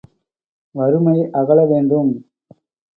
வறுமை அகல வேண்டும்!